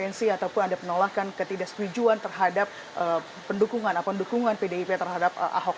ada abstensi ataupun ada penolakan ketidaksetujuan terhadap pendukungan atau pendukungan pdip terhadap ahok